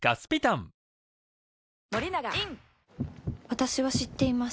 私は知っています